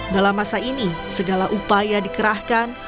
dalam masa ini segala upaya dikerahkan